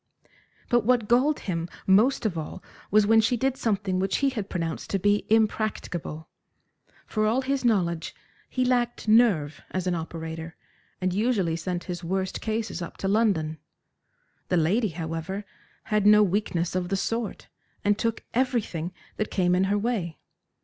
But what galled him most of all was, when she did something which he had pronounced to be impracticable. For all his knowledge he lacked nerve as an operator, and usually sent his worst cases up to London. The lady, however, had no weakness of the sort, and took everything that came in her way.